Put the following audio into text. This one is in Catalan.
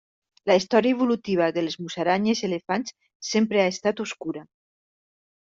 La història evolutiva de les musaranyes elefants sempre ha estat obscura.